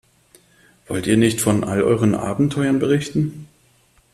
Wollt ihr nicht von all euren Abenteuern berichten?